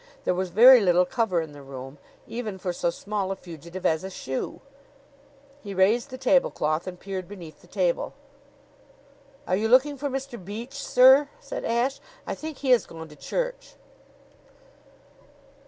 There was very little cover in the room, even for so small a fugitive as a shoe. He raised the tablecloth and peered beneath the table. "Are you looking for Mr. Beach, sir?" said Ashe. "I think he has gone to church."